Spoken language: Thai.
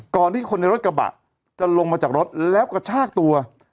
ก่อนที่คนในรถกระบะ